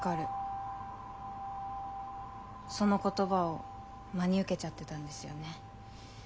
その言葉を真に受けちゃってたんですよね。